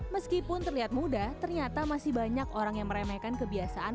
meskipun terlihat mudah ternyata masih banyak orang yang meremehkan kebiasaan